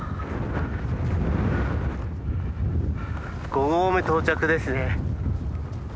五合目到着ですね。